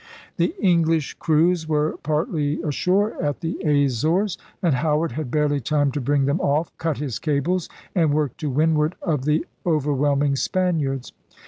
The English crews were partly ashore at the Azores; and Howard had barely time to bring them off, cut his cables, and work to windward of the overwhelming Spaniards.